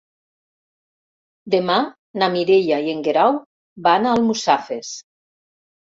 Demà na Mireia i en Guerau van a Almussafes.